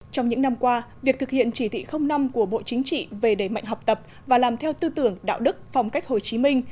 trong những năm qua việc thực hiện chỉ thị năm của bộ chính trị về đẩy mạnh học tập và làm theo tư tưởng đạo đức phong cách hồ chí minh